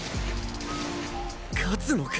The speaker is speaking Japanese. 勝つのか？